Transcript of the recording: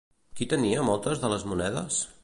Qui tenia moltes de les monedes?